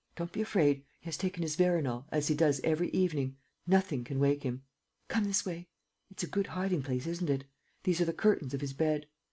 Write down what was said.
... Don't be afraid ... he has taken his veronal as he does every evening ... nothing can wake him. Come this way. ... It's a good hiding place, isn't it? ... These are the curtains of his bed.